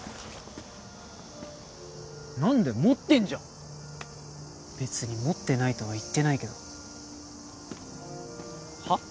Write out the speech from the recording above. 何だよ持ってんじゃん別に持ってないとは言ってないけどはっ？